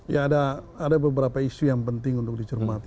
ya ada beberapa isu yang penting untuk dicermati